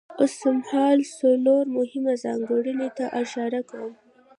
اوسمهال څلورو مهمو ځانګړنو ته اشاره کوم.